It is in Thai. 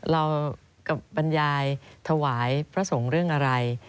เรากับบรรยายถวายพระสงฆ์เรื่องอะไร